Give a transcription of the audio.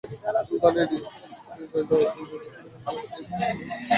সুলতানের হৃদ্যন্ত্র বুকে নিয়ে লুকিয়ে থাকা সোনার বাক্স হয়তো তাদের হাতেই পড়ে।